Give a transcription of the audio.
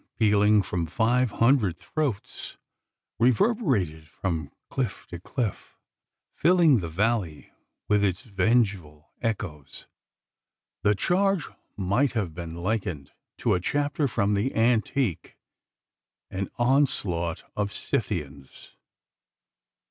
pealing from five hundred throats, reverberated from cliff to cliff, filling the valley with its vengeful echoes! The charge might have been likened to a chapter from the antique an onslaught of Scythians!